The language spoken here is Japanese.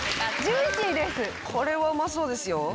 これはうまそうですよ